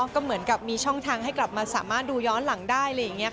ก็เหมือนกับมีช่องทางให้กลับมาสามารถดูย้อนหลังได้